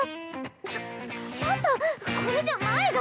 ちょっちょっとこれじゃ前が。